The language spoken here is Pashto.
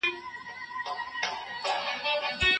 د سولي هڅي د نړیوال امنیت لپاره بنسټیزې دي.